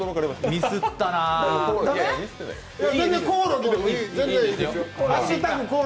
ミスったなー。